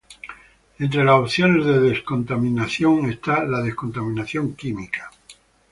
Entre las opciones de descontaminación está la descontaminación química.